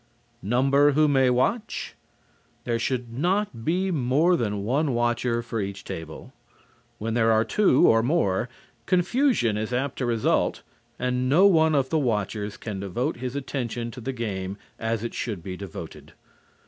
NUMBER WHO MAY WATCH There should not be more than one watcher for each table. When there are two, or more, confusion is apt to result and no one of the watchers can devote his attention to the game as it should be devoted.